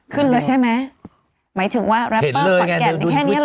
ขึ้นเลยใช่ไหมหมายถึงว่าแรปเปอร์ขอนแก่นในแค่นี้เลย